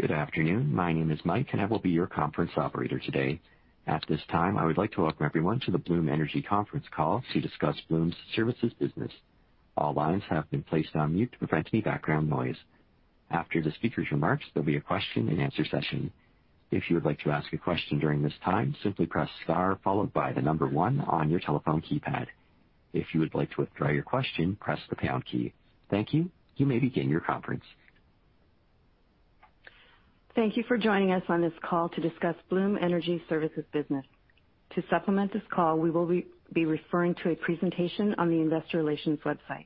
Good afternoon. My name is Mike, and I will be your conference operator today. At this time, I would like to welcome everyone to the Bloom Energy conference call to discuss Bloom's services business. All lines have been placed on mute to prevent any background noise. After the speaker's remarks, there'll be a question-and-answer session. If you would like to ask a question during this time, simply press star, followed by the number one on your telephone keypad. If you would like to withdraw your question, press the pound key. Thank you. You may begin your conference. Thank you for joining us on this call to discuss Bloom Energy's services business. To supplement this call, we will be referring to a presentation on the Investor Relations website.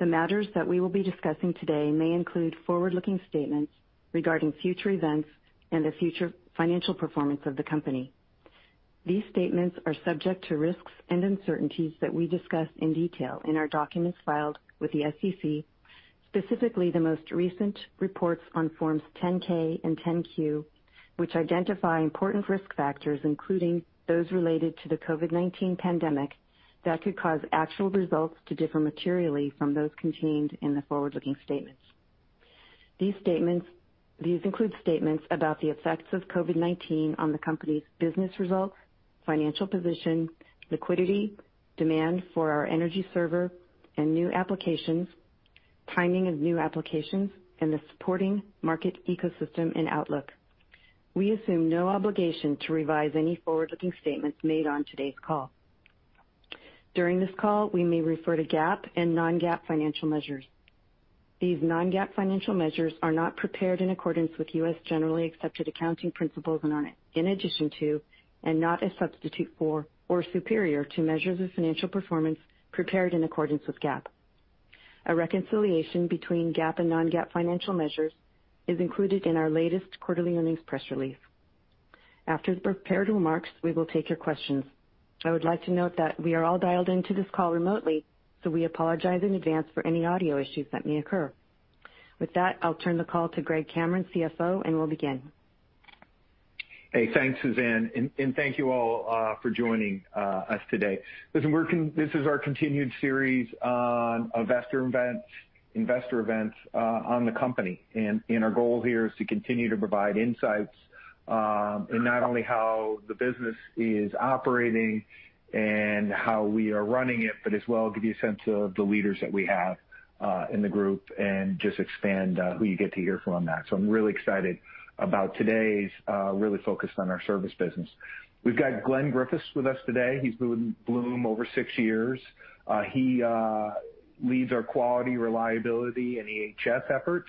The matters that we will be discussing today may include forward-looking statements regarding future events and the future financial performance of the company. These statements are subject to risks and uncertainties that we discuss in detail in our documents filed with the SEC, specifically the most recent reports on Forms 10-K and 10-Q, which identify important risk factors, including those related to the COVID-19 pandemic that could cause actual results to differ materially from those contained in the forward-looking statements. These include statements about the effects of COVID-19 on the company's business results, financial position, liquidity, demand for our energy server and new applications, timing of new applications, and the supporting market ecosystem and outlook. We assume no obligation to revise any forward-looking statements made on today's call. During this call, we may refer to GAAP and non-GAAP financial measures. These non-GAAP financial measures are not prepared in accordance with U.S. generally accepted accounting principles and are in addition to, and not a substitute for, or superior to measures of financial performance prepared in accordance with GAAP. A reconciliation between GAAP and non-GAAP financial measures is included in our latest quarterly earnings press release. After the prepared remarks, we will take your questions. I would like to note that we are all dialed into this call remotely, so we apologize in advance for any audio issues that may occur. With that, I'll turn the call to Greg Cameron, CFO, and we'll begin. Hey, thanks, Suzanne. And thank you all for joining us today. Listen, this is our continued series on investor events on the company. And our goal here is to continue to provide insights in not only how the business is operating and how we are running it, but as well give you a sense of the leaders that we have in the group and just expand who you get to hear from on that. So I'm really excited about today's really focused on our service business. We've got Glenn Griffiths with us today. He's been with Bloom over six years. He leads our quality, reliability, and EHS efforts.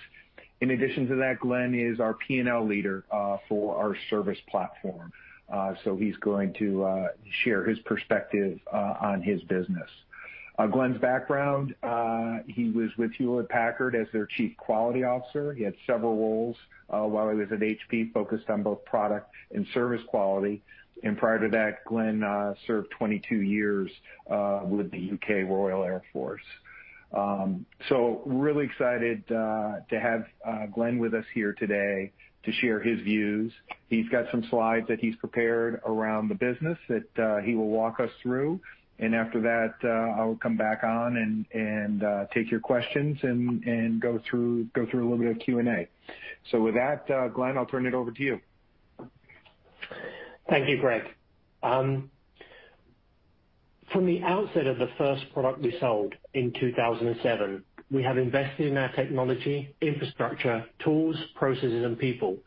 In addition to that, Glenn is our P&L leader for our service platform. So he's going to share his perspective on his business. Glenn's background: he was with Hewlett-Packard as their Chief Quality Officer. He had several roles while he was at HP, focused on both product and service quality. And prior to that, Glenn served 22 years with the U.K. Royal Air Force. So really excited to have Glenn with us here today to share his views. He's got some slides that he's prepared around the business that he will walk us through. And after that, I'll come back on and take your questions and go through a little bit of Q&A. So with that, Glenn, I'll turn it over to you. Thank you, Greg. From the outset of the first product we sold in 2007, we have invested in our technology, infrastructure, tools, processes, and people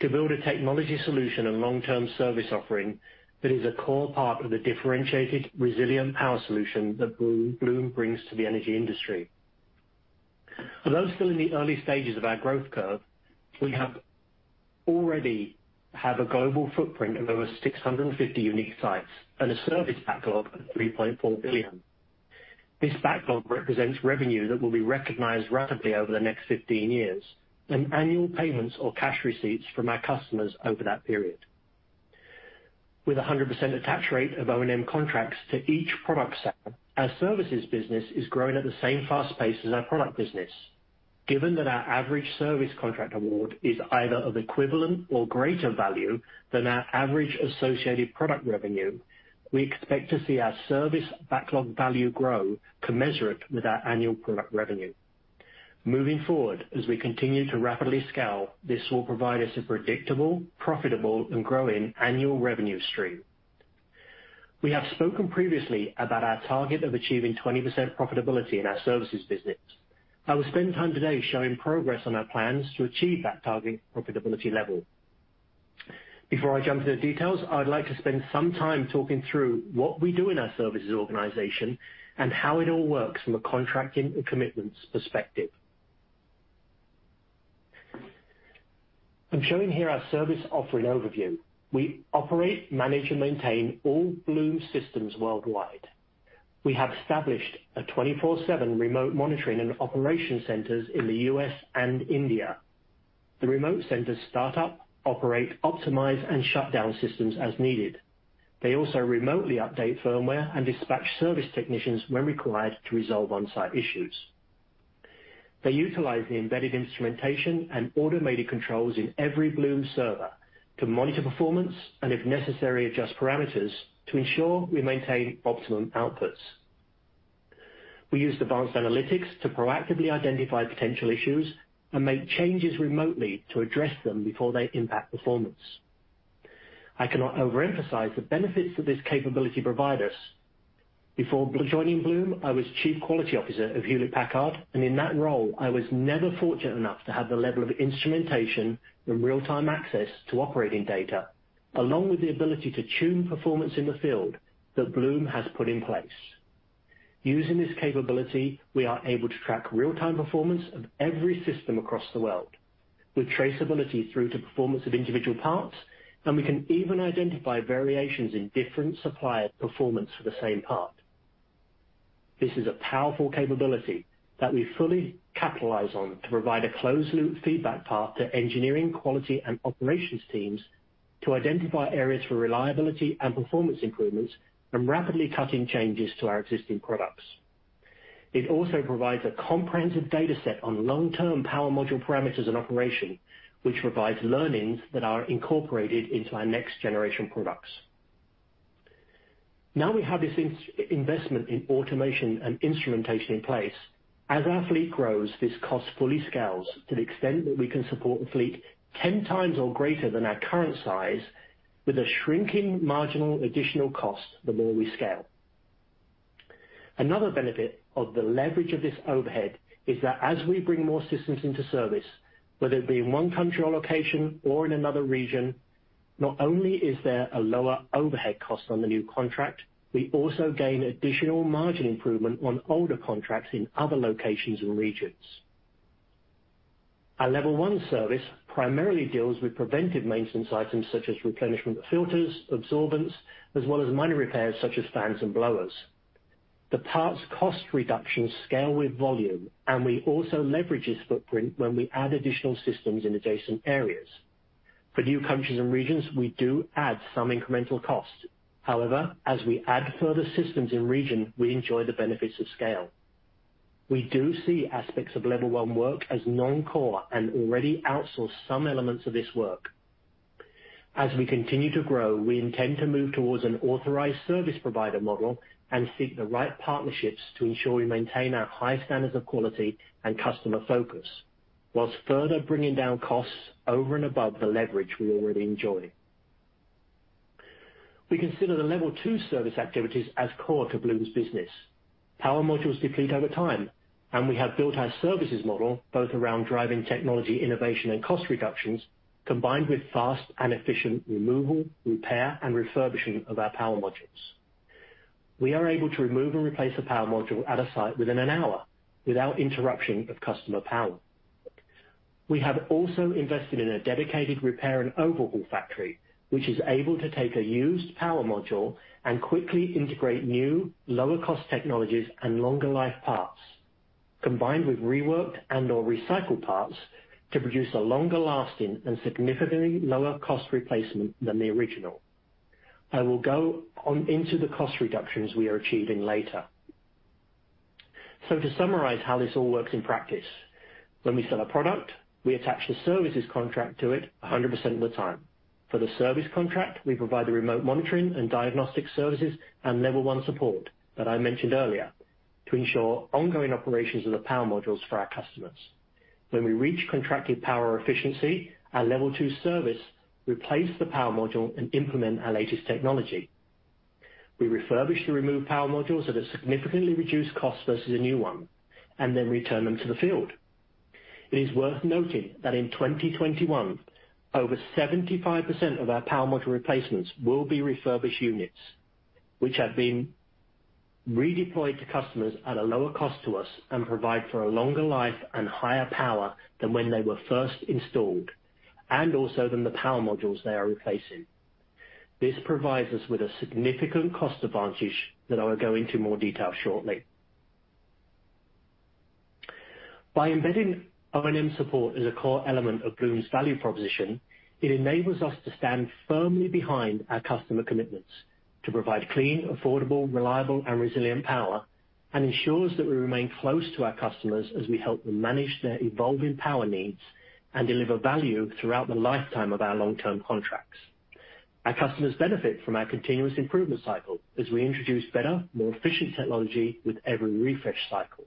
to build a technology solution and long-term service offering that is a core part of the differentiated, resilient power solution that Bloom brings to the energy industry. Although still in the early stages of our growth curve, we already have a global footprint of over 650 unique sites and a service backlog of $3.4 billion. This backlog represents revenue that will be recognized rapidly over the next 15 years and annual payments or cash receipts from our customers over that period. With a 100% attach rate of O&M contracts to each product set, our services business is growing at the same fast pace as our product business. Given that our average service contract award is either of equivalent or greater value than our average associated product revenue, we expect to see our service backlog value grow commensurate with our annual product revenue. Moving forward, as we continue to rapidly scale, this will provide us a predictable, profitable, and growing annual revenue stream. We have spoken previously about our target of achieving 20% profitability in our services business. I will spend time today showing progress on our plans to achieve that target profitability level. Before I jump into the details, I'd like to spend some time talking through what we do in our services organization and how it all works from a contracting and commitments perspective. I'm showing here our service offering overview. We operate, manage, and maintain all Bloom systems worldwide. We have established a 24/7 remote monitoring and operation centers in the U.S. and India. The remote centers start up, operate, optimize, and shut down systems as needed. They also remotely update firmware and dispatch service technicians when required to resolve on-site issues. They utilize the embedded instrumentation and automated controls in every Bloom server to monitor performance and, if necessary, adjust parameters to ensure we maintain optimum outputs. We use advanced analytics to proactively identify potential issues and make changes remotely to address them before they impact performance. I cannot overemphasize the benefits that this capability provides us. Before joining Bloom, I was chief quality officer of Hewlett-Packard, and in that role, I was never fortunate enough to have the level of instrumentation and real-time access to operating data, along with the ability to tune performance in the field that Bloom has put in place. Using this capability, we are able to track real-time performance of every system across the world with traceability through to performance of individual parts, and we can even identify variations in different suppliers' performance for the same part. This is a powerful capability that we fully capitalize on to provide a closed-loop feedback path to engineering, quality, and operations teams to identify areas for reliability and performance improvements and rapidly cutting changes to our existing products. It also provides a comprehensive data set on long-term Power Module parameters and operation, which provides learnings that are incorporated into our next-generation products. Now we have this investment in automation and instrumentation in place. As our fleet grows, this cost fully scales to the extent that we can support a fleet 10 times or greater than our current size with a shrinking marginal additional cost the more we scale. Another benefit of the leverage of this overhead is that as we bring more systems into service, whether it be in one country or location or in another region, not only is there a lower overhead cost on the new contract, we also gain additional margin improvement on older contracts in other locations and regions. Our level one service primarily deals with preventive maintenance items such as replenishment of filters, absorbents, as well as minor repairs such as fans and blowers. The parts cost reductions scale with volume, and we also leverage this footprint when we add additional systems in adjacent areas. For new countries and regions, we do add some incremental cost. However, as we add further systems in region, we enjoy the benefits of scale. We do see aspects of level one work as non-core and already outsource some elements of this work. As we continue to grow, we intend to move towards an authorized service provider model and seek the right partnerships to ensure we maintain our high standards of quality and customer focus while further bringing down costs over and above the leverage we already enjoy. We consider the level two service activities as core to Bloom's business. Power modules deplete over time, and we have built our services model both around driving technology innovation and cost reductions combined with fast and efficient removal, repair, and refurbishing of our power modules. We are able to remove and replace a power module at a site within an hour without interruption of customer power. We have also invested in a dedicated repair and overhaul factory, which is able to take a used power module and quickly integrate new, lower-cost technologies and longer-life parts combined with reworked and/or recycled parts to produce a longer-lasting and significantly lower-cost replacement than the original. I will go into the cost reductions we are achieving later. So to summarize how this all works in practice, when we sell a product, we attach the services contract to it 100% of the time. For the service contract, we provide the remote monitoring and diagnostic services and level one support that I mentioned earlier to ensure ongoing operations of the power modules for our customers. When we reach contracted power efficiency, our level two service replaces the power module and implements our latest technology. We refurbish the removed power modules at a significantly reduced cost versus a new one and then return them to the field. It is worth noting that in 2021, over 75% of our power module replacements will be refurbished units, which have been redeployed to customers at a lower cost to us and provide for a longer life and higher power than when they were first installed and also than the power modules they are replacing. This provides us with a significant cost advantage that I will go into more detail shortly. By embedding O&M support as a core element of Bloom's value proposition, it enables us to stand firmly behind our customer commitments to provide clean, affordable, reliable, and resilient power and ensures that we remain close to our customers as we help them manage their evolving power needs and deliver value throughout the lifetime of our long-term contracts. Our customers benefit from our continuous improvement cycle as we introduce better, more efficient technology with every refresh cycle.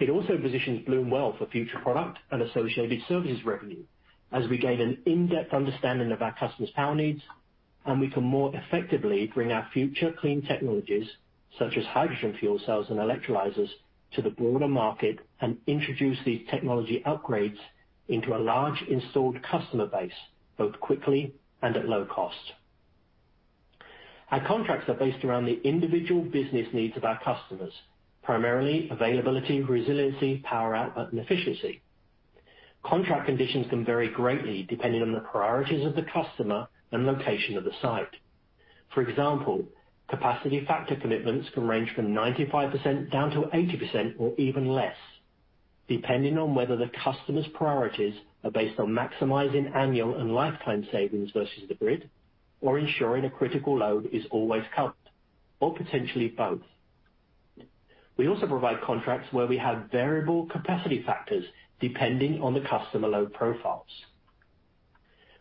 It also positions Bloom well for future product and associated services revenue as we gain an in-depth understanding of our customers' power needs, and we can more effectively bring our future clean technologies such as hydrogen fuel cells and electrolyzers to the broader market and introduce these technology upgrades into a large installed customer base both quickly and at low cost. Our contracts are based around the individual business needs of our customers, primarily availability, resiliency, power output, and efficiency. Contract conditions can vary greatly depending on the priorities of the customer and location of the site. For example, capacity factor commitments can range from 95% down to 80% or even less, depending on whether the customer's priorities are based on maximizing annual and lifetime savings versus the grid or ensuring a critical load is always covered or potentially both. We also provide contracts where we have variable capacity factors depending on the customer load profiles.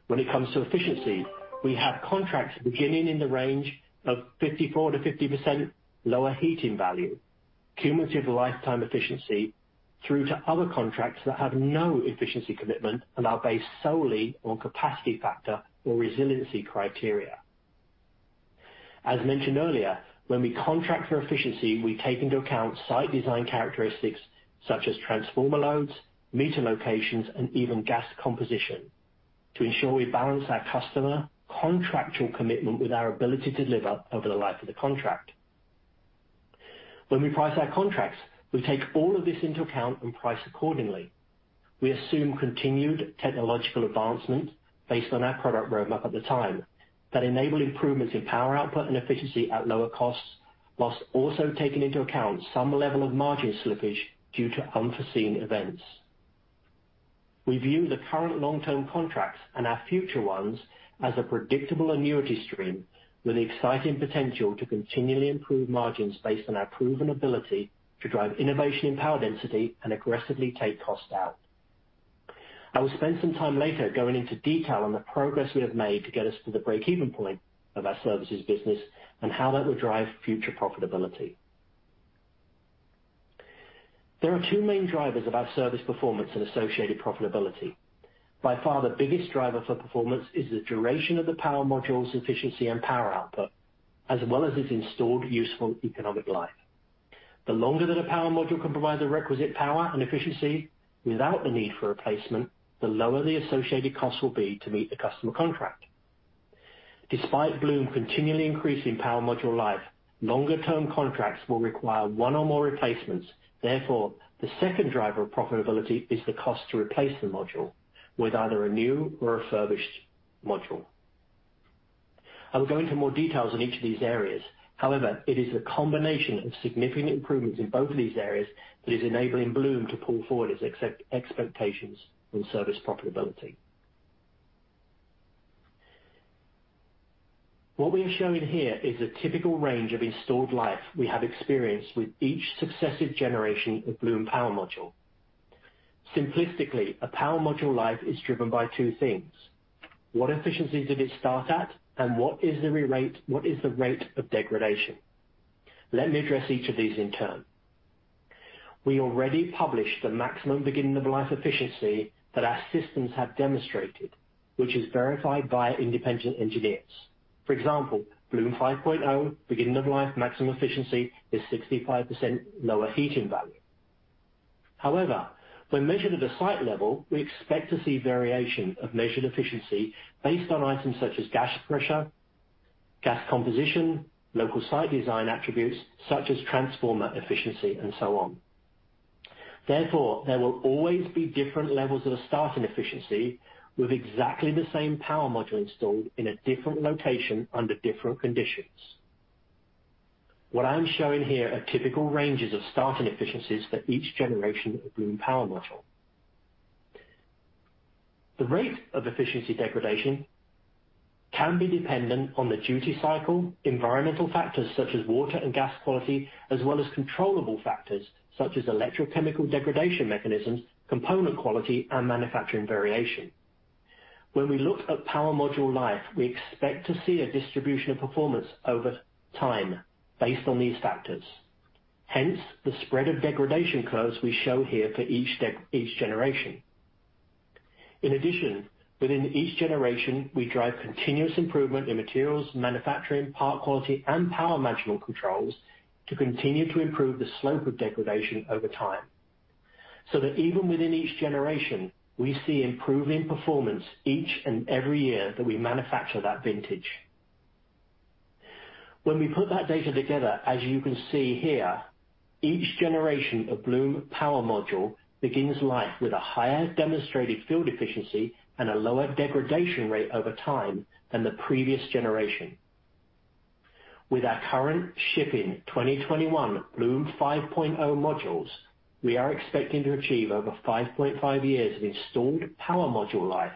When it comes to efficiency, we have contracts beginning in the range of 54%-50% lower heating value, cumulative lifetime efficiency through to other contracts that have no efficiency commitment and are based solely on capacity factor or resiliency criteria. As mentioned earlier, when we contract for efficiency, we take into account site design characteristics such as transformer loads, meter locations, and even gas composition to ensure we balance our customer contractual commitment with our ability to deliver over the life of the contract. When we price our contracts, we take all of this into account and price accordingly. We assume continued technological advancement based on our product roadmap at the time that enables improvements in power output and efficiency at lower costs while also taking into account some level of margin slippage due to unforeseen events. We view the current long-term contracts and our future ones as a predictable annuity stream with the exciting potential to continually improve margins based on our proven ability to drive innovation in power density and aggressively take costs out. I will spend some time later going into detail on the progress we have made to get us to the break-even point of our services business and how that will drive future profitability. There are two main drivers of our service performance and associated profitability. By far, the biggest driver for performance is the duration of the power module's efficiency and power output, as well as its installed useful economic life. The longer that a power module can provide the requisite power and efficiency without the need for replacement, the lower the associated costs will be to meet the customer contract. Despite Bloom continually increasing power module life, longer-term contracts will require one or more replacements. Therefore, the second driver of profitability is the cost to replace the module with either a new or refurbished module. I will go into more details on each of these areas. However, it is the combination of significant improvements in both of these areas that is enabling Bloom to pull forward its expectations on service profitability. What we are showing here is a typical range of installed life we have experienced with each successive generation of Bloom power module. Simplistically, a power module life is driven by two things: what efficiencies did it start at, and what is the rate of degradation? Let me address each of these in turn. We already published the maximum beginning of life efficiency that our systems have demonstrated, which is verified by independent engineers. For example, Bloom 5.0 beginning of life maximum efficiency is 65% lower heating value. However, when measured at a site level, we expect to see variation of measured efficiency based on items such as gas pressure, gas composition, local site design attributes such as transformer efficiency, and so on. Therefore, there will always be different levels of starting efficiency with exactly the same power module installed in a different location under different conditions. What I'm showing here are typical ranges of starting efficiencies for each generation of Bloom power module. The rate of efficiency degradation can be dependent on the duty cycle, environmental factors such as water and gas quality, as well as controllable factors such as electrochemical degradation mechanisms, component quality, and manufacturing variation. When we look at power module life, we expect to see a distribution of performance over time based on these factors. Hence, the spread of degradation curves we show here for each generation. In addition, within each generation, we drive continuous improvement in materials, manufacturing, part quality, and power management controls to continue to improve the slope of degradation over time so that even within each generation, we see improving performance each and every year that we manufacture that vintage. When we put that data together, as you can see here, each generation of Bloom power module begins life with a higher demonstrated field efficiency and a lower degradation rate over time than the previous generation. With our current shipping 2021 Bloom 5.0 modules, we are expecting to achieve over 5.5 years of installed power module life,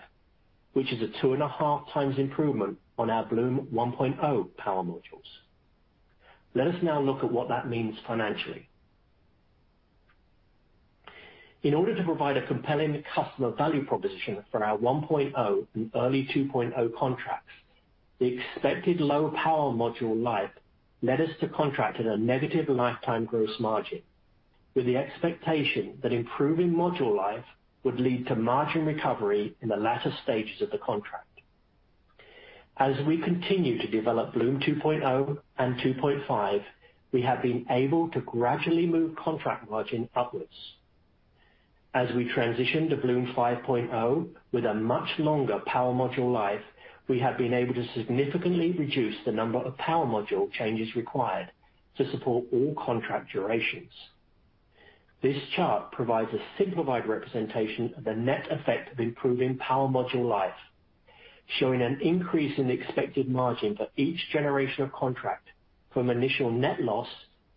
which is a two and a half times improvement on our Bloom 1.0 power modules. Let us now look at what that means financially. In order to provide a compelling customer value proposition for our 1.0 and early 2.0 contracts, the expected low power module life led us to contract at a negative lifetime gross margin with the expectation that improving module life would lead to margin recovery in the latter stages of the contract. As we continue to develop Bloom 2.0 and 2.5, we have been able to gradually move contract margin upwards. As we transition to Bloom 5.0 with a much longer power module life, we have been able to significantly reduce the number of power module changes required to support all contract durations. This chart provides a simplified representation of the net effect of improving power module life, showing an increase in the expected margin for each generation of contract from initial net loss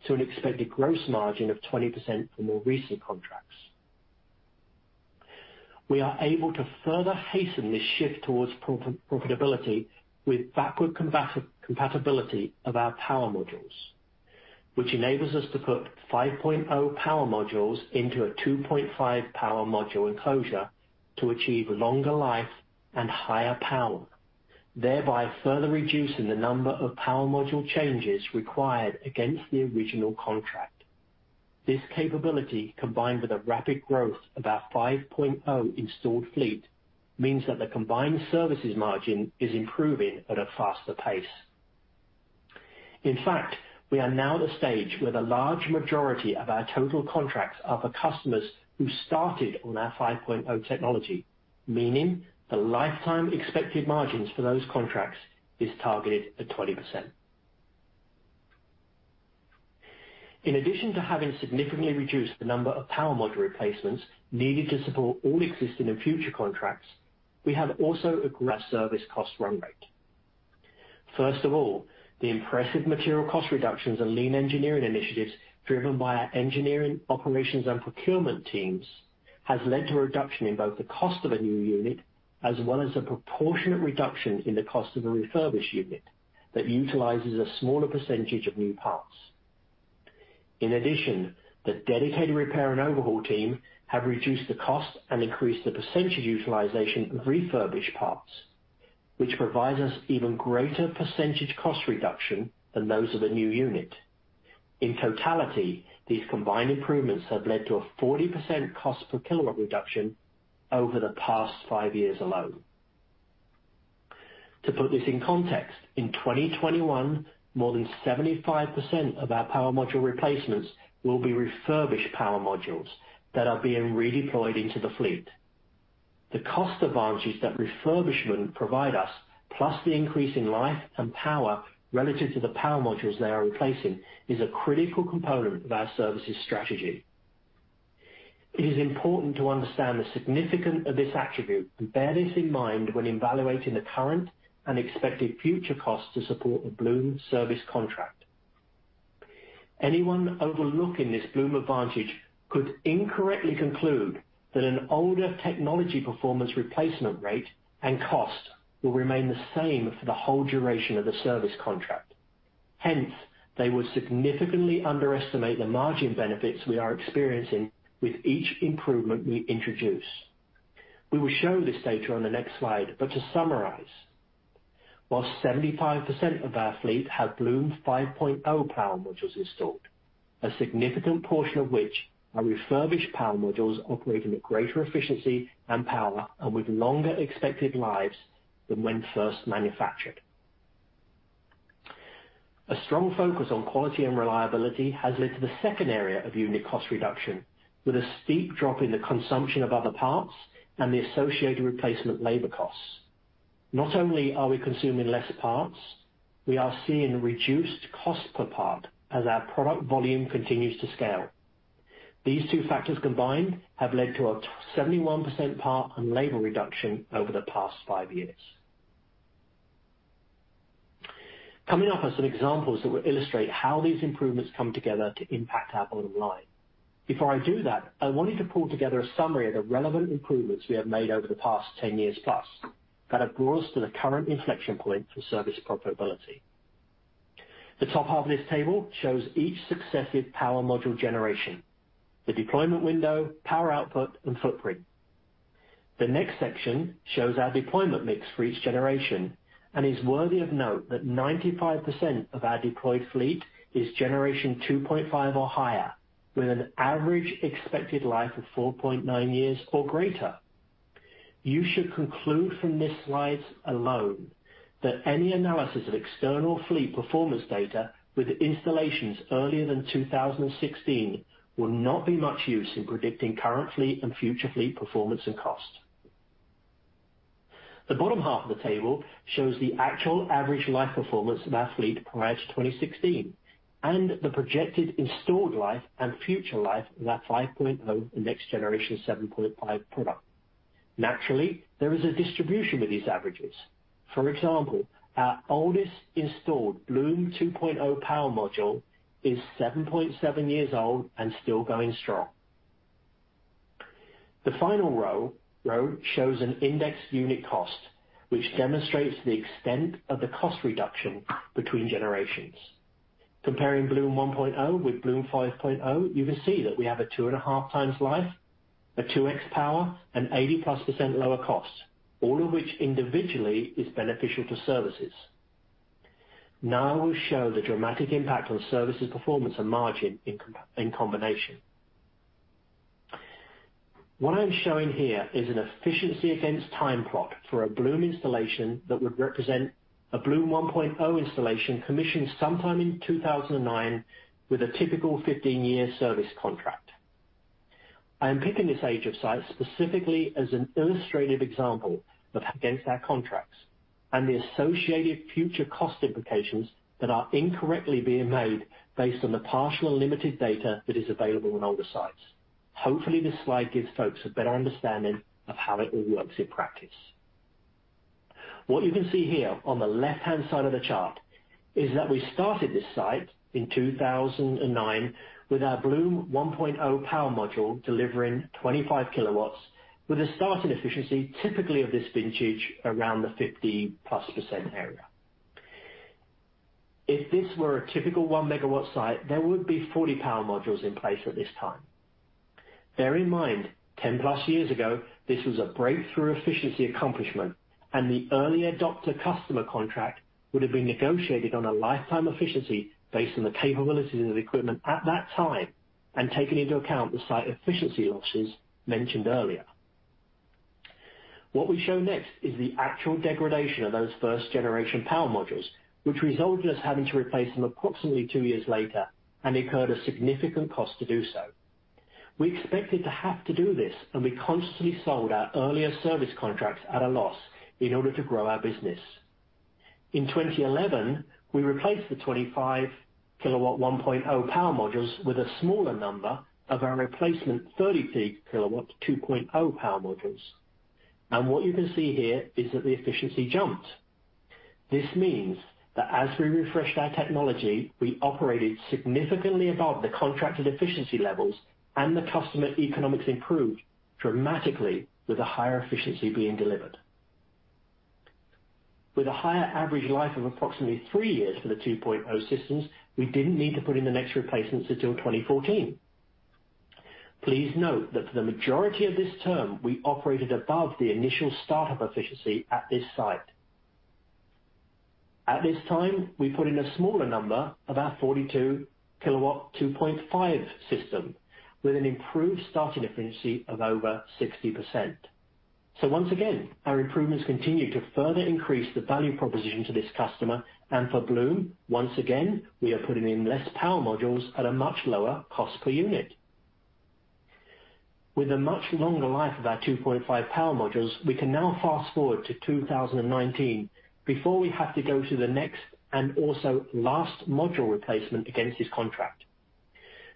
to an expected gross margin of 20% for more recent contracts. We are able to further hasten this shift towards profitability with backward compatibility of our power modules, which enables us to put 5.0 power modules into a 2.5 power module enclosure to achieve longer life and higher power, thereby further reducing the number of power module changes required against the original contract. This capability, combined with the rapid growth of our 5.0 installed fleet, means that the combined services margin is improving at a faster pace. In fact, we are now at a stage where the large majority of our total contracts are for customers who started on our 5.0 technology, meaning the lifetime expected margins for those contracts are targeted at 20%. In addition to having significantly reduced the number of power module replacements needed to support all existing and future contracts, we have also aggressively improved our service cost run rate. First of all, the impressive material cost reductions and lean engineering initiatives driven by our engineering, operations, and procurement teams have led to a reduction in both the cost of a new unit as well as a proportionate reduction in the cost of a refurbished unit that utilizes a smaller percentage of new parts. In addition, the dedicated repair and overhaul team have reduced the cost and increased the percentage utilization of refurbished parts, which provides us even greater percentage cost reduction than those of a new unit. In totality, these combined improvements have led to a 40% cost per kilowatt reduction over the past five years alone. To put this in context, in 2021, more than 75% of our power module replacements will be refurbished power modules that are being redeployed into the fleet. The cost advantages that refurbishment provides us, plus the increase in life and power relative to the power modules they are replacing, is a critical component of our services strategy. It is important to understand the significance of this attribute and bear this in mind when evaluating the current and expected future costs to support the Bloom service contract. Anyone overlooking this Bloom advantage could incorrectly conclude that an older technology performance replacement rate and cost will remain the same for the whole duration of the service contract. Hence, they would significantly underestimate the margin benefits we are experiencing with each improvement we introduce. We will show this data on the next slide, but to summarize, while 75% of our fleet have Bloom 5.0 power modules installed, a significant portion of which are refurbished power modules operating at greater efficiency and power and with longer expected lives than when first manufactured. A strong focus on quality and reliability has led to the second area of unit cost reduction, with a steep drop in the consumption of other parts and the associated replacement labor costs. Not only are we consuming less parts, we are seeing reduced cost per part as our product volume continues to scale. These two factors combined have led to a 71% part and labor reduction over the past five years. Coming up are some examples that will illustrate how these improvements come together to impact our bottom line. Before I do that, I wanted to pull together a summary of the relevant improvements we have made over the past 10 years plus that have brought us to the current inflection point for service profitability. The top half of this table shows each successive power module generation, the deployment window, power output, and footprint. The next section shows our deployment mix for each generation, and it's worthy of note that 95% of our deployed fleet is generation 2.5 or higher, with an average expected life of 4.9 years or greater. You should conclude from this slide alone that any analysis of external fleet performance data with installations earlier than 2016 will not be much use in predicting current fleet and future fleet performance and cost. The bottom half of the table shows the actual average life performance of our fleet prior to 2016 and the projected installed life and future life of our 5.0 and next generation 7.5 product. Naturally, there is a distribution with these averages. For example, our oldest installed Bloom 2.0 power module is 7.7 years old and still going strong. The final row shows an indexed unit cost, which demonstrates the extent of the cost reduction between generations. Comparing Bloom 1.0 with Bloom 5.0, you can see that we have a two and a half times life, a 2x power, and 80% plus lower cost, all of which individually is beneficial to services. Now we'll show the dramatic impact on services performance and margin in combination. What I'm showing here is an efficiency against time plot for a Bloom installation that would represent a Bloom 1.0 installation commissioned sometime in 2009 with a typical 15-year service contract. I am picking this age of site specifically as an illustrative example of against our contracts and the associated future cost implications that are incorrectly being made based on the partial and limited data that is available on older sites. Hopefully, this slide gives folks a better understanding of how it all works in practice. What you can see here on the left-hand side of the chart is that we started this site in 2009 with our Bloom 1.0 power module delivering 25 kilowatts, with a starting efficiency typically of this vintage around the 50% plus area. If this were a typical one megawatt site, there would be 40 Power Modules in place at this time. Bear in mind, 10 plus years ago, this was a breakthrough efficiency accomplishment, and the early adopter customer contract would have been negotiated on a lifetime efficiency based on the capabilities of the equipment at that time and taken into account the site efficiency losses mentioned earlier. What we show next is the actual degradation of those first-generation Power Modules, which resulted in us having to replace them approximately two years later and incurred a significant cost to do so. We expected to have to do this, and we constantly sold our earlier service contracts at a loss in order to grow our business. In 2011, we replaced the 25 kilowatt 1.0 Power Modules with a smaller number of our replacement 30 kilowatt 2.0 Power Modules. And what you can see here is that the efficiency jumped. This means that as we refreshed our technology, we operated significantly above the contracted efficiency levels, and the customer economics improved dramatically with a higher efficiency being delivered. With a higher average life of approximately three years for the 2.0 systems, we didn't need to put in the next replacements until 2014. Please note that for the majority of this term, we operated above the initial startup efficiency at this site. At this time, we put in a smaller number of our 42-kilowatt 2.5 system with an improved starting efficiency of over 60%. So once again, our improvements continue to further increase the value proposition to this customer. And for Bloom, once again, we are putting in less power modules at a much lower cost per unit. With a much longer life of our 2.5 power modules, we can now fast forward to 2019 before we have to go to the next and also last module replacement against this contract.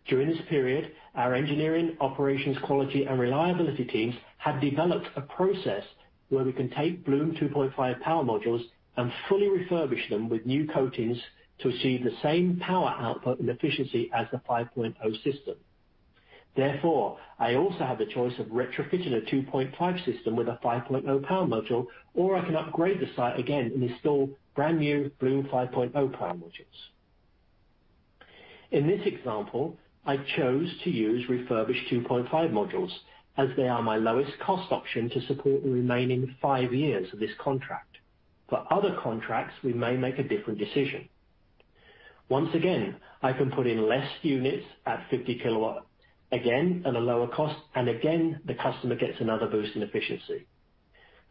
During this period, our engineering, operations, quality, and reliability teams have developed a process where we can take Bloom 2.5 power modules and fully refurbish them with new coatings to achieve the same power output and efficiency as the 5.0 system. Therefore, I also have the choice of retrofitting a 2.5 system with a 5.0 power module, or I can upgrade the site again and install brand new Bloom 5.0 power modules. In this example, I chose to use refurbished 2.5 modules as they are my lowest cost option to support the remaining five years of this contract. For other contracts, we may make a different decision. Once again, I can put in less units at 50 kilowatt again at a lower cost, and again, the customer gets another boost in efficiency.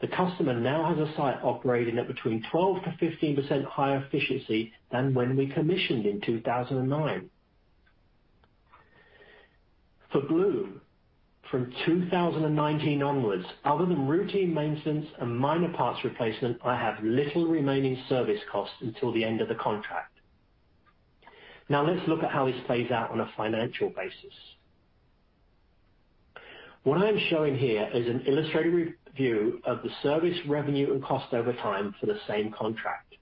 The customer now has a site operating at between 12%-15% higher efficiency than when we commissioned in 2009. For Bloom, from 2019 onwards, other than routine maintenance and minor parts replacement, I have little remaining service cost until the end of the contract. Now let's look at how this plays out on a financial basis. What I'm showing here is an illustrative view of the service revenue and cost over time for the same contract.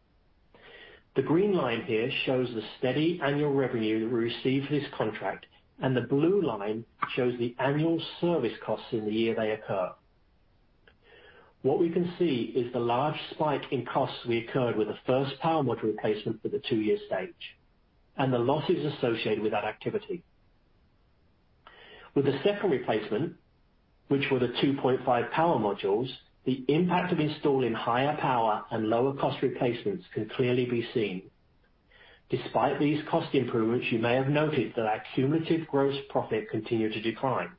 The green line here shows the steady annual revenue that we receive for this contract, and the blue line shows the annual service costs in the year they occur. What we can see is the large spike in costs we incurred with the first power module replacement for the two-year stage and the losses associated with that activity. With the second replacement, which were the 2.5 power modules, the impact of installing higher power and lower cost replacements can clearly be seen. Despite these cost improvements, you may have noted that our cumulative gross profit continued to decline.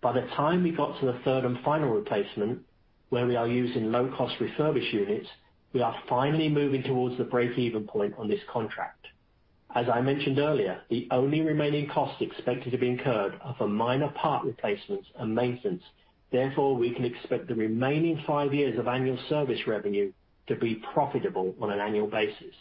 By the time we got to the third and final replacement, where we are using low-cost refurbished units, we are finally moving towards the break-even point on this contract. As I mentioned earlier, the only remaining costs expected to be incurred are for minor part replacements and maintenance. Therefore, we can expect the remaining five years of annual service revenue to be profitable on an annual basis.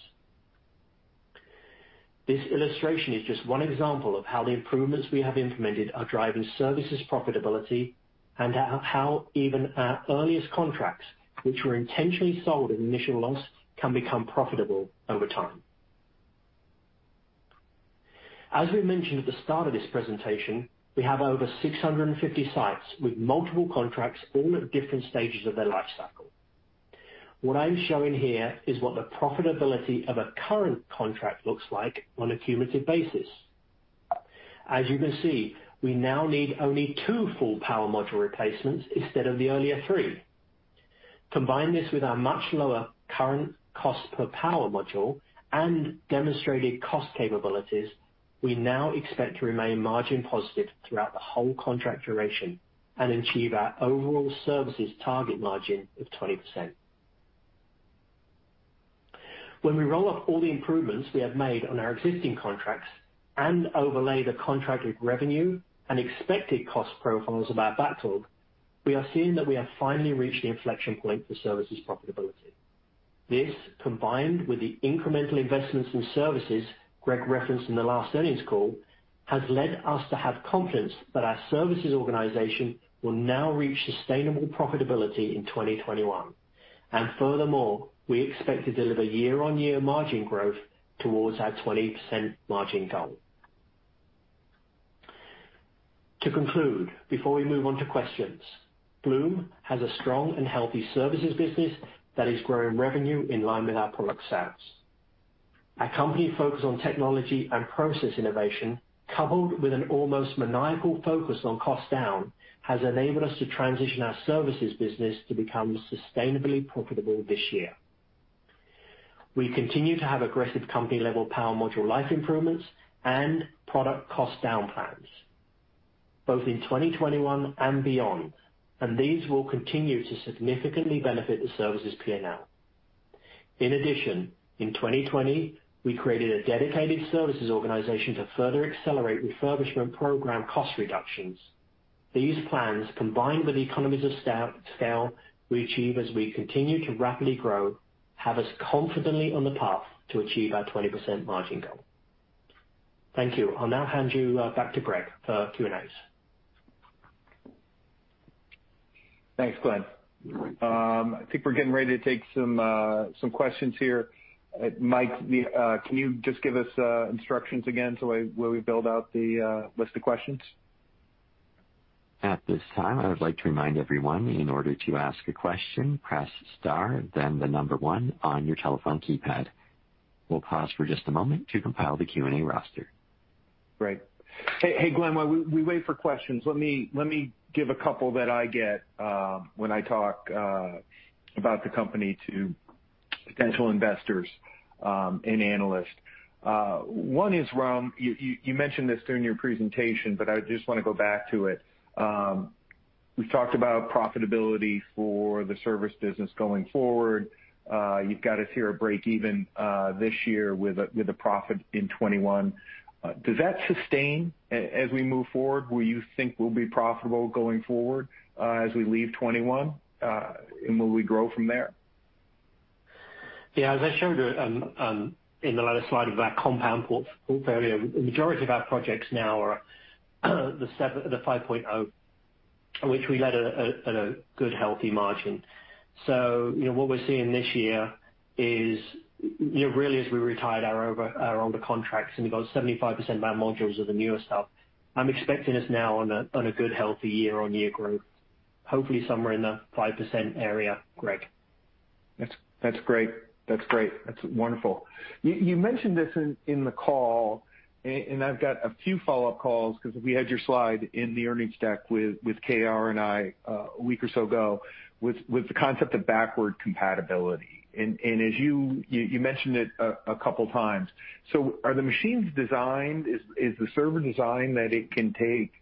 This illustration is just one example of how the improvements we have implemented are driving services profitability and how even our earliest contracts, which were intentionally sold at initial loss, can become profitable over time. As we mentioned at the start of this presentation, we have over 650 sites with multiple contracts, all at different stages of their life cycle. What I'm showing here is what the profitability of a current contract looks like on a cumulative basis. As you can see, we now need only two full power module replacements instead of the earlier three. Combine this with our much lower current cost per power module and demonstrated cost capabilities. We now expect to remain margin positive throughout the whole contract duration and achieve our overall services target margin of 20%. When we roll up all the improvements we have made on our existing contracts and overlay the contracted revenue and expected cost profiles of our backlog, we are seeing that we have finally reached the inflection point for services profitability. This, combined with the incremental investments in services Greg referenced in the last earnings call, has led us to have confidence that our services organization will now reach sustainable profitability in 2021. And furthermore, we expect to deliver year-on-year margin growth towards our 20% margin goal. To conclude, before we move on to questions, Bloom has a strong and healthy services business that is growing revenue in line with our product sales. Our company focus on technology and process innovation, coupled with an almost maniacal focus on cost down, has enabled us to transition our services business to become sustainably profitable this year. We continue to have aggressive company-level power module life improvements and product cost down plans, both in 2021 and beyond, and these will continue to significantly benefit the services P&L. In addition, in 2020, we created a dedicated services organization to further accelerate refurbishment program cost reductions. These plans, combined with the economies of scale we achieve as we continue to rapidly grow, have us confidently on the path to achieve our 20% margin goal. Thank you. I'll now hand you back to Greg for Q&As. Thanks, Glenn. I think we're getting ready to take some questions here. Mike, can you just give us instructions again so we build out the list of questions? At this time, I would like to remind everyone in order to ask a question, press star, then the number one on your telephone keypad. We'll pause for just a moment to compile the Q&A roster. Great. Hey, Glenn, while we wait for questions, let me give a couple that I get when I talk about the company to potential investors and analysts. One is, you mentioned this during your presentation, but I just want to go back to it. We've talked about profitability for the service business going forward. You've got us here at break-even this year with a profit in 2021. Does that sustain as we move forward? Will you think we'll be profitable going forward as we leave 2021? And will we grow from there? Yeah, as I showed in the last slide of our compound portfolio, the majority of our projects now are the 5.0, which we led at a good, healthy margin. So what we're seeing this year is really, as we retired our older contracts and we got 75% of our modules of the newer stuff, I'm expecting us now on a good, healthy year-on-year growth, hopefully somewhere in the 5% area, Greg. That's great. That's great. That's wonderful. You mentioned this in the call, and I've got a few follow-up calls because we had your slide in the earnings deck with KR and I a week or so ago with the concept of backward compatibility, and you mentioned it a couple of times. So are the machines designed? Is the server designed that it can take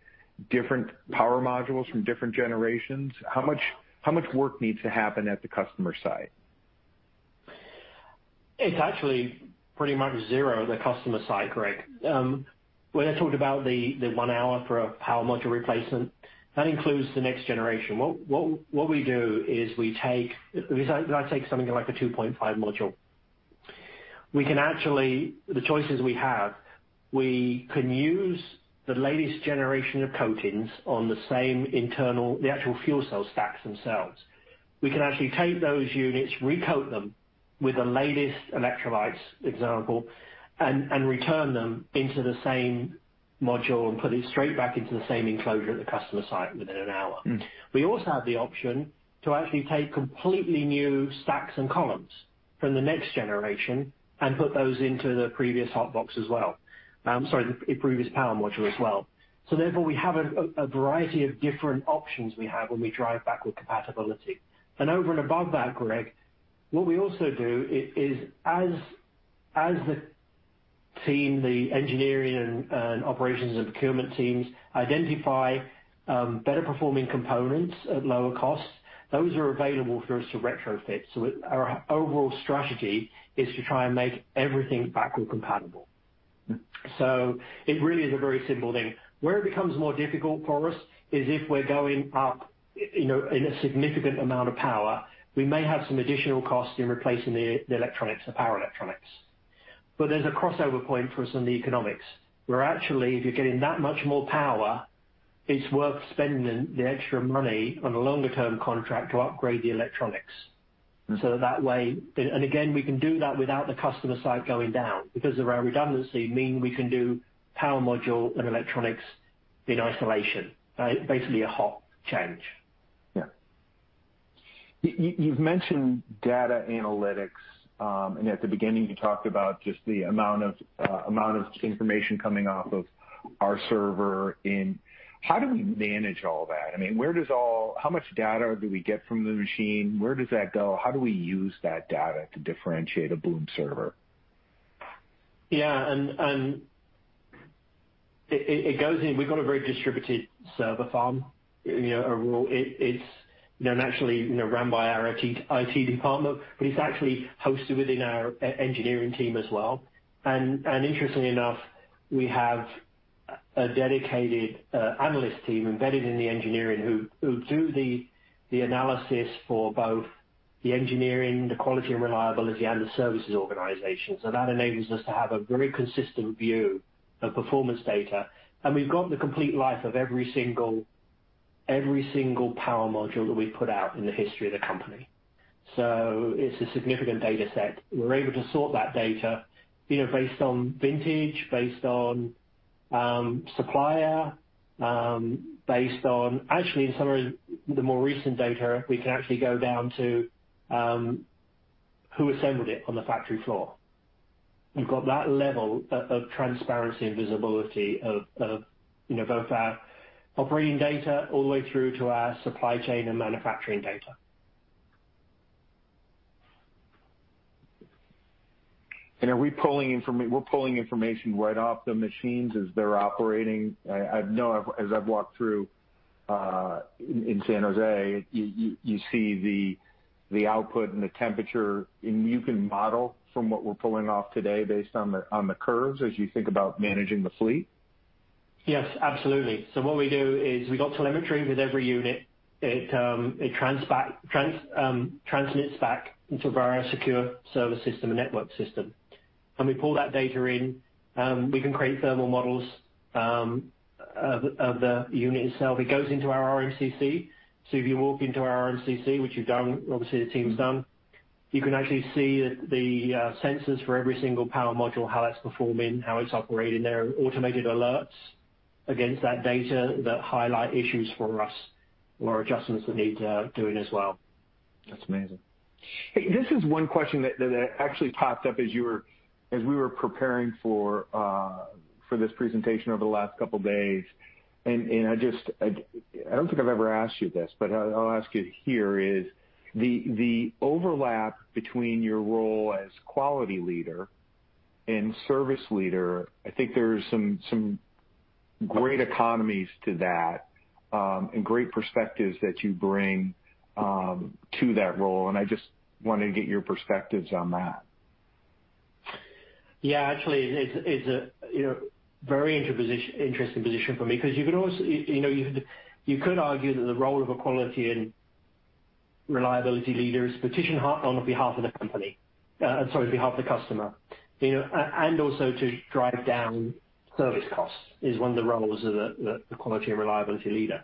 different power modules from different generations? How much work needs to happen at the customer site? It's actually pretty much zero at the customer site, Greg. When I talked about the one hour for a Power Module replacement, that includes the next generation. What we do is we take something like a 2.5 module. The choices we have, we can use the latest generation of coatings on the same internal, the actual fuel cell stacks themselves. We can actually take those units, recoat them with the latest electrolytes, example, and return them into the same module and put it straight back into the same enclosure at the customer site within an hour. We also have the option to actually take completely new stacks and columns from the next generation and put those into the previous Hot box as well. Sorry, the previous Power Module as well. So therefore, we have a variety of different options we have when we drive backward compatibility. And over and above that, Greg, what we also do is, as the team, the engineering and operations and procurement teams identify better-performing components at lower costs, those are available for us to retrofit. So our overall strategy is to try and make everything backward compatible. So it really is a very simple thing. Where it becomes more difficult for us is if we're going up in a significant amount of power, we may have some additional cost in replacing the electronics, the power electronics. But there's a crossover point for us on the economics. Where actually, if you're getting that much more power, it's worth spending the extra money on a longer-term contract to upgrade the electronics. So that way, and again, we can do that without the customer site going down because of our redundancy, meaning we can do power module and electronics in isolation, basically a hot change. Yeah. You've mentioned data analytics. And at the beginning, you talked about just the amount of information coming off of our server. And how do we manage all that? I mean, how much data do we get from the machine? Where does that go? How do we use that data to differentiate a Bloom server? Yeah. And it goes in. We've got a very distributed server farm. It's naturally run by our IT department, but it's actually hosted within our engineering team as well. And interestingly enough, we have a dedicated analyst team embedded in the engineering who do the analysis for both the engineering, the quality and reliability, and the services organization. So that enables us to have a very consistent view of performance data. And we've got the complete life of every single power module that we've put out in the history of the company. So it's a significant data set. We're able to sort that data based on vintage, based on supplier. Based on actually, in some ways, the more recent data, we can actually go down to who assembled it on the factory floor. We've got that level of transparency and visibility of both our operating data all the way through to our supply chain and manufacturing data. And are we pulling information right off the machines as they're operating? I know as I've walked through in San Jose, you see the output and the temperature. And you can model from what we're pulling off today based on the curves as you think about managing the fleet? Yes, absolutely. So what we do is we got telemetry with every unit. It transmits back into our secure service system and network system, and we pull that data in. We can create thermal models of the unit itself. It goes into our RMCC. So if you walk into our RMCC, which you've done, obviously the team's done, you can actually see the sensors for every single power module, how it's performing, how it's operating. There are automated alerts against that data that highlight issues for us or adjustments that need doing as well. That's amazing. This is one question that actually popped up as we were preparing for this presentation over the last couple of days. And I don't think I've ever asked you this, but I'll ask you here: is the overlap between your role as quality leader and service leader? I think there's some great economies to that and great perspectives that you bring to that role. And I just wanted to get your perspectives on that. Yeah, actually, it's a very interesting position for me because you could argue that the role of a quality and reliability leader is positioned to act on behalf of the company. Sorry, on behalf of the customer. And also to drive down service costs is one of the roles of the quality and reliability leader.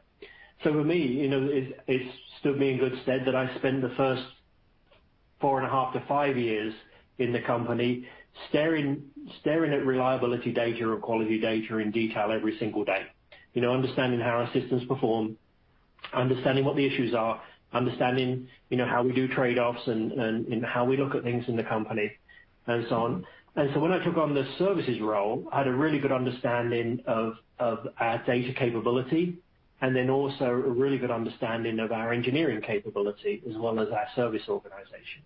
So for me, it's good to say that I spend the first four and a half to five years in the company staring at reliability data or quality data in detail every single day. Understanding how our systems perform, understanding what the issues are, understanding how we do trade-offs and how we look at things in the company, and so on. And so when I took on the services role, I had a really good understanding of our data capability and then also a really good understanding of our engineering capability as well as our service organization.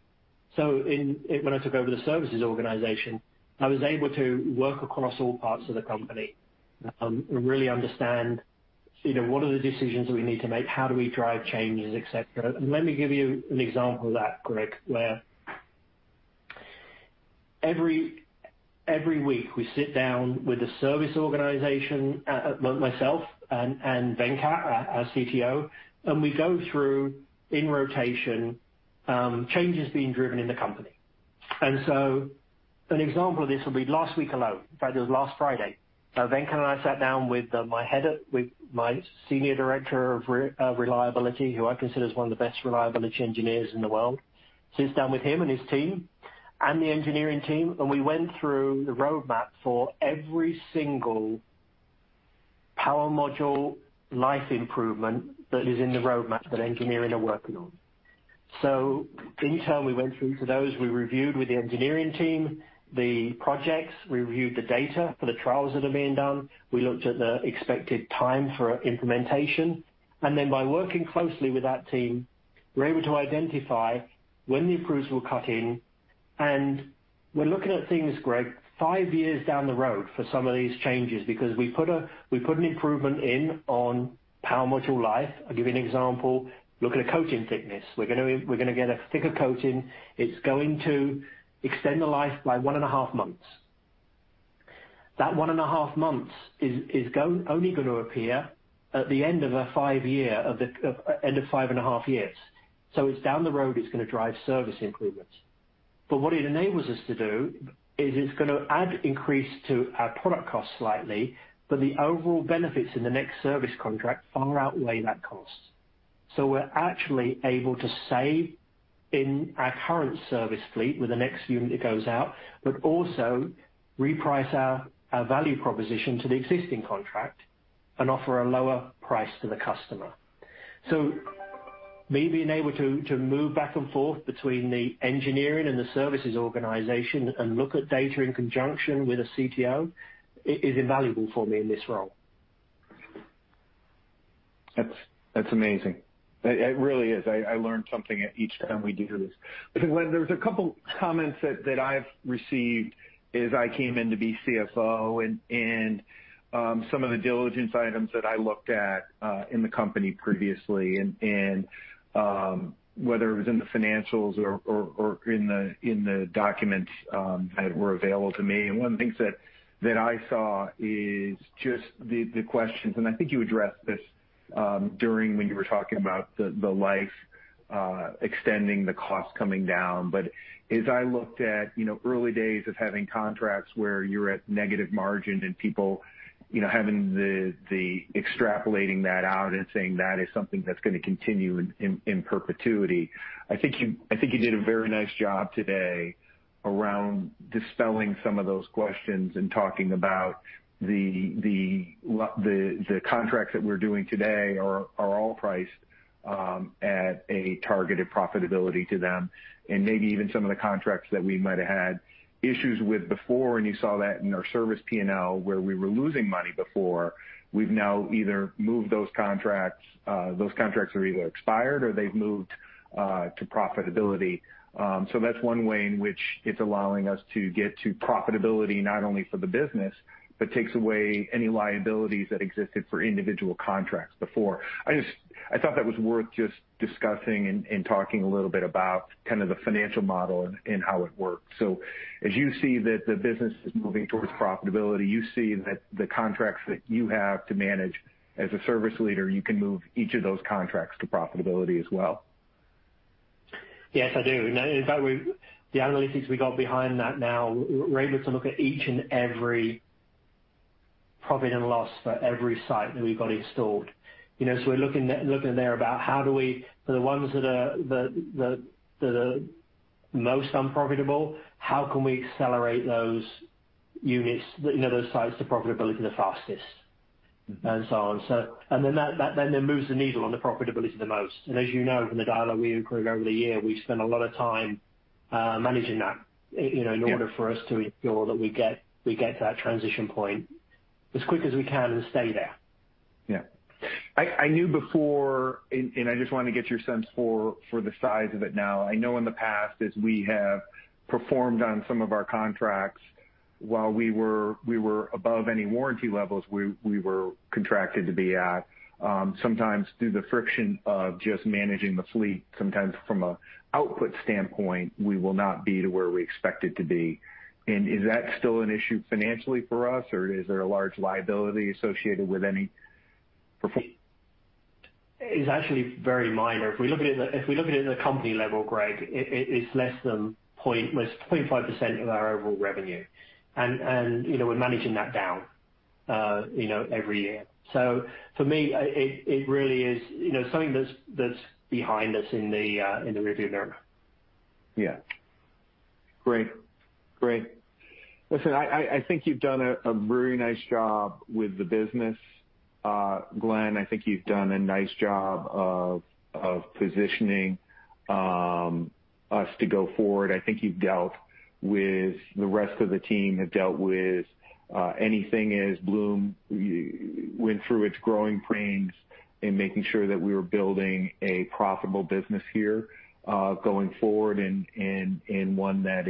So when I took over the services organization, I was able to work across all parts of the company and really understand what are the decisions that we need to make, how do we drive changes, etc. And let me give you an example of that, Greg, where every week we sit down with the service organization, myself and Venkat, our CTO, and we go through in rotation changes being driven in the company. And so an example of this will be last week alone. In fact, it was last Friday. So Venkat and I sat down with my senior director of reliability, who I consider is one of the best reliability engineers in the world. So he sat down with him and his team and the engineering team, and we went through the roadmap for every single power module life improvement that is in the roadmap that engineering are working on. So in turn, we went through those, we reviewed with the engineering team the projects, we reviewed the data for the trials that are being done, we looked at the expected time for implementation. And then by working closely with that team, we're able to identify when the improvements will cut in. And we're looking at things, Greg, five years down the road for some of these changes because we put an improvement in on power module life. I'll give you an example. Look at a coating thickness. We're going to get a thicker coating. It's going to extend the life by one and a half months. That one and a half months is only going to appear at the end of a five-year, at the end of five and a half years. So it's down the road, it's going to drive service improvements. But what it enables us to do is it's going to add increase to our product cost slightly, but the overall benefits in the next service contract far outweigh that cost. So we're actually able to save in our current service fleet with the next unit that goes out, but also reprice our value proposition to the existing contract and offer a lower price to the customer. Me being able to move back and forth between the engineering and the services organization and look at data in conjunction with a CTO is invaluable for me in this role. That's amazing. It really is. I learned something each time we do this. I think, Glenn, there was a couple of comments that I've received as I came in to be CFO and some of the diligence items that I looked at in the company previously and whether it was in the financials or in the documents that were available to me, and one of the things that I saw is just the questions. And I think you addressed this during when you were talking about the life extending, the cost coming down, but as I looked at early days of having contracts where you're at negative margin and people having the extrapolating that out and saying that is something that's going to continue in perpetuity. I think you did a very nice job today around dispelling some of those questions and talking about the contracts that we're doing today are all priced at a targeted profitability to them. And maybe even some of the contracts that we might have had issues with before, and you saw that in our service P&L where we were losing money before. We've now either moved those contracts. Those contracts are either expired or they've moved to profitability. So that's one way in which it's allowing us to get to profitability, not only for the business, but takes away any liabilities that existed for individual contracts before. I thought that was worth just discussing and talking a little bit about kind of the financial model and how it works. So as you see that the business is moving towards profitability, you see that the contracts that you have to manage as a service leader, you can move each of those contracts to profitability as well? Yes, I do. In fact, the analytics we got behind that now, we're able to look at each and every profit and loss for every site that we've got installed. So we're looking there about how do we, for the ones that are the most unprofitable, how can we accelerate those units, those sites to profitability the fastest and so on. And then that then moves the needle on the profitability the most. And as you know, from the dialogue we include over the year, we spend a lot of time managing that in order for us to ensure that we get to that transition point as quick as we can and stay there. Yeah. I knew before, and I just wanted to get your sense for the size of it now. I know in the past, as we have performed on some of our contracts, while we were above any warranty levels we were contracted to be at, sometimes through the friction of just managing the fleet, sometimes from an output standpoint, we will not be to where we expect it to be. And is that still an issue financially for us, or is there a large liability associated with any performance? It's actually very minor. If we look at it at a company level, Greg, it's less than 0.5% of our overall revenue. And we're managing that down every year. So for me, it really is something that's behind us in the rearview mirror. Yeah. Great. Great. Listen, I think you've done a very nice job with the business. Glenn, I think you've done a nice job of positioning us to go forward. I think you've dealt with the rest of the team, have dealt with anything as Bloom went through its growing pains in making sure that we were building a profitable business here going forward and one that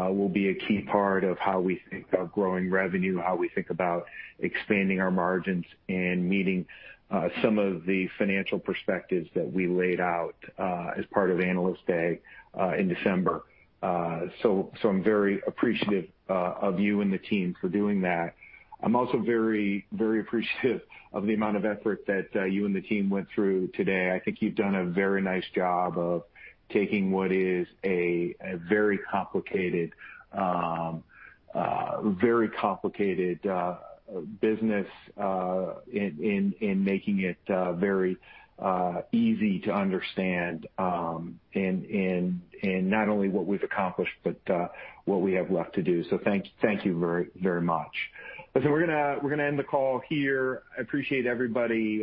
will be a key part of how we think about growing revenue, how we think about expanding our margins and meeting some of the financial perspectives that we laid out as part of analyst day in December. So I'm very appreciative of you and the team for doing that. I'm also very, very appreciative of the amount of effort that you and the team went through today. I think you've done a very nice job of taking what is a very complicated business and making it very easy to understand and not only what we've accomplished, but what we have left to do. So thank you very much. Listen, we're going to end the call here. I appreciate everybody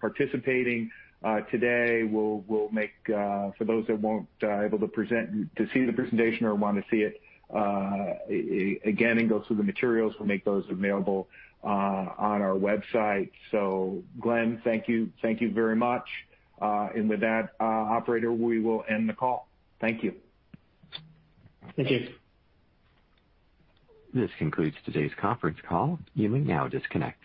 participating today. We'll make, for those that won't be able to see the presentation or want to see it again and go through the materials, we'll make those available on our website. So Glenn, thank you very much. And with that, operator, we will end the call. Thank you. Thank you. This concludes today's conference call. You may now disconnect.